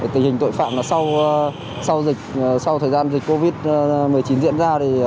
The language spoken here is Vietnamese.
tình hình tội phạm sau thời gian dịch covid một mươi chín diễn ra